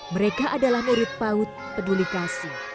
mereka adalah murid paut peduli kasih